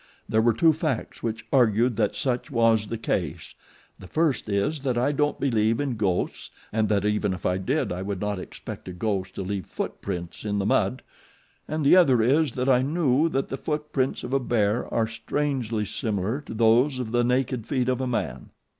There were two facts which argued that such was the case. The first is that I don't believe in ghosts and that even if I did I would not expect a ghost to leave footprints in the mud, and the other is that I knew that the footprints of a bear are strangely similar to those of the naked feet of man.